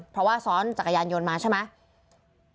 เพราะว่าซ้อนจักรยานยนต์มาใช่ไหม